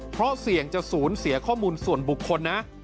เพราะเสี่ยงจะศูนย์เสียข้อมูลส่วนบุคคลนะ